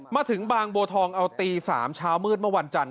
มาถึงบางบัวทองเอาตี๓เช้ามืดเมื่อวันจันท